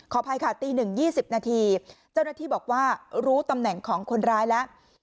อภัยค่ะตี๑๒๐นาทีเจ้าหน้าที่บอกว่ารู้ตำแหน่งของคนร้ายแล้ว